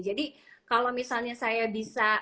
jadi kalau misalnya saya bisa